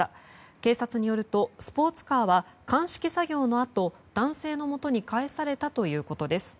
警察によるとスポーツカーは鑑識作業のあと男性のもとに返されたということです。